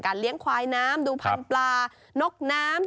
เลี้ยงควายน้ำดูพันธุ์ปลานกน้ำ